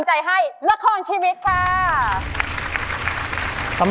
ช่วยฝังดินหรือกว่า